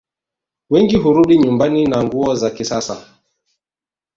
Wengi hurudi nyumbani na nguo za kisasa